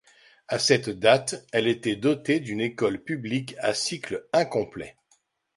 À cette date, elle était dotée d'une école publique à cycle incomplet.